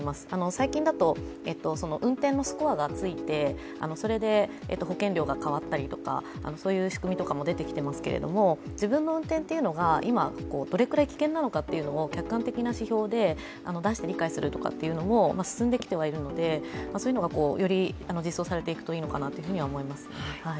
最近だと、運転のスコアがついてそれで保険料が変わったりとかそういう仕組みとかも出てきてますけど自分の運転が今、どれくらい危険なのかを客観的な指標で出して理解するとかというのも進んできてはいるのでそういうものがより実装されていくといいのかなと思います。